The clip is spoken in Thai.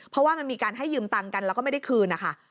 ก็มีการให้ยืมเงินกันแล้วก็ไม่ได้คืน